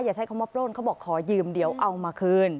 ใช้คำว่าปล้นเขาบอกขอยืมเดี๋ยวเอามาคืน